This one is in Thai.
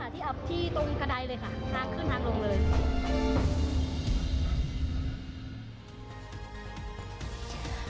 ที่อับที่ตรงกระดายเลยค่ะทางขึ้นทางลงเลย